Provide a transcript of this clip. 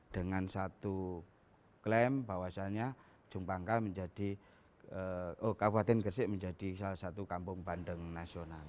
dengan satu klaim bahwasannya jumpangka menjadi kabupaten gresik menjadi salah satu kampung bandeng nasional